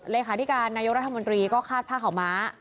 เลขาธิการนายกรัฐมนตรีก็คาดผ้าขาวม้า